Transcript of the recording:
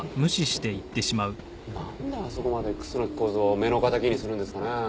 なんであそこまで楠木孝蔵を目の敵にするんですかね？